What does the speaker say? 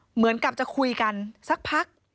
เหมือนกับจะคุยกันสักพัก